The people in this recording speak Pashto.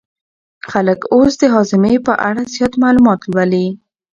خلک اوس د هاضمې په اړه زیات معلومات لولي.